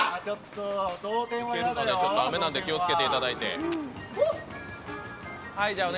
雨なんで気をつけていただいて。